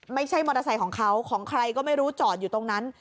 ไม่ใช่มอเตอร์ไซค์ของเขาของใครก็ไม่รู้จอดอยู่ตรงนั้น